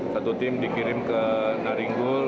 satu tim dikirim ke naringgul